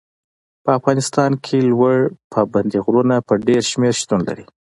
په افغانستان کې لوړ پابندي غرونه په ډېر شمېر شتون لري.